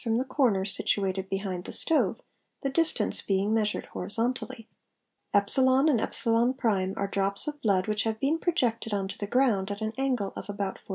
from the corner situated behind the stove, the distance being measured horizont _ ally. e and € are drops of blood which have been projected on to the ii 'i ground, at an angle of about 40°.